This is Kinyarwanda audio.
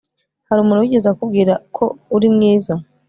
Hari umuntu wigeze akubwira ko uri mwiza